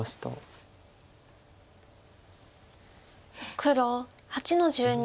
黒８の十二。